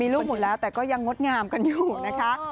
มีลูกหมดแล้วแต่ก็ยังงดงามกันอยู่นะคะ